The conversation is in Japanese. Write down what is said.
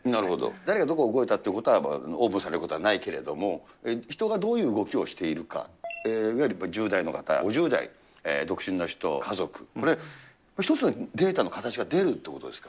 誰がどこを動いたということはオープンにされることはないけれども、人がどういう動きをしているか、いわゆる１０代の方、５０代、独身の人、家族、これ、一つのデータの形が出るということですか。